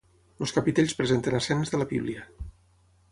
Els capitells presenten escenes de la Bíblia.